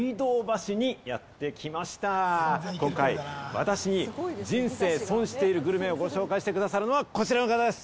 今回、私に人生損してるグルメをご紹介してくださるのはこちらの方です。